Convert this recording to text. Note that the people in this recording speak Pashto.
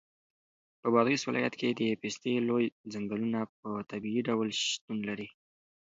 په بادغیس ولایت کې د پستې لوی ځنګلونه په طبیعي ډول شتون لري.